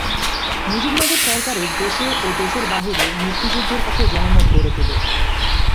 মুজিবনগর সরকারের দেশে ও দেশের বাইরে মুক্তিযুদ্ধের পক্ষে জনমত গড়ে তোলে।